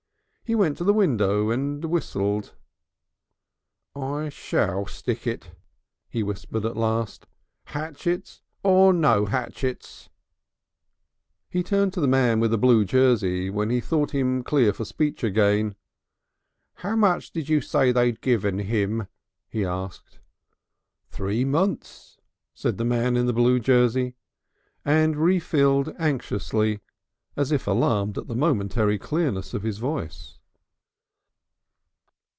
He went to the window and whistled. "I shall stick it," he whispered at last. "'Atchets or no 'atchets." He turned to the man with the blue jersey when he thought him clear for speech again. "How much did you say they'd given him?" he asked. "Three munce," said the man in the blue jersey, and refilled anxiously, as if alarmed at the momentary clearness of his voice.